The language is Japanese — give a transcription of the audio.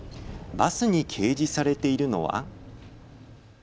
バスに掲示されているのは。